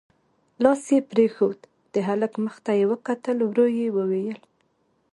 لاس يې پرېښود، د هلک مخ ته يې وکتل، ورو يې وويل: